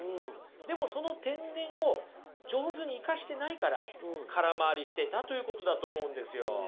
でもその天然を上手に生かしてないから空回りしてたということだと思うんですよ。